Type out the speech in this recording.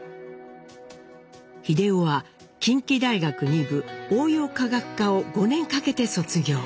英夫は近畿大学二部応用化学科を５年かけて卒業。